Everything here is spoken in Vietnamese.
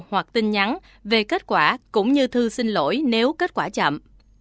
hoặc tin nhắn về kết quả cũng như thư xin lỗi nếu kết quả chậm